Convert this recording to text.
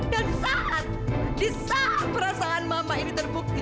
dan saat di saat perasaan mama ini terbukti